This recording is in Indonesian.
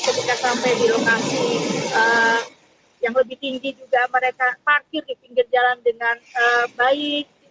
ketika sampai di lokasi yang lebih tinggi juga mereka parkir di pinggir jalan dengan baik